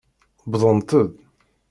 Wwḍent-d.